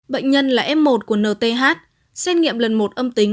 bệnh nhân là f một của nth xét nghiệm lần một âm tính